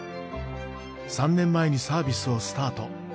３年前にサービスをスタート。